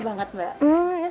dan nggak terlalu manis juga